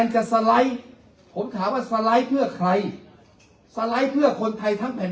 จะสไลด์ผมถามว่าสไลด์เพื่อใครสไลด์เพื่อคนไทยทั้งแผ่น